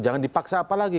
jangan dipaksa apa lagi